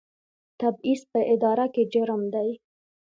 تبعیض په اداره کې جرم دی